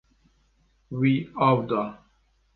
Wî av da.